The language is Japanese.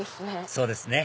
そうですね！